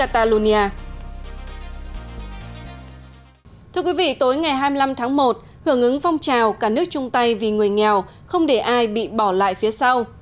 thưa quý vị tối ngày hai mươi năm tháng một hưởng ứng phong trào cả nước chung tay vì người nghèo không để ai bị bỏ lại phía sau